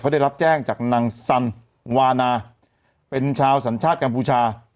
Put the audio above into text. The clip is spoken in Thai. ได้รับแจ้งจากนางสันวานาเป็นชาวสัญชาติกัมพูชา